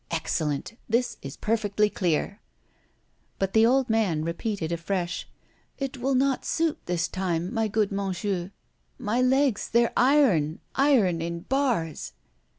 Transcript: Excellent this is perfectly clear!" But the old man repeated afresh: "It will not suit this time, my good Monchieu. My legs, they're iron, iron in bars."